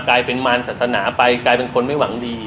กลายเป็นมารศาสนาไปกลายเป็นคนไม่หวังดี